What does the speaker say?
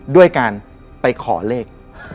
ด้วยการไปขอเลข